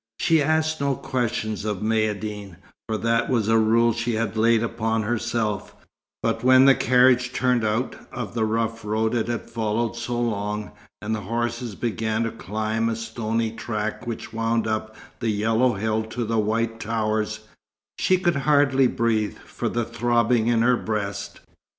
She asked no questions of Maïeddine, for that was a rule she had laid upon herself; but when the carriage turned out of the rough road it had followed so long, and the horses began to climb a stony track which wound up the yellow hill to the white towers, she could hardly breathe, for the throbbing in her breast.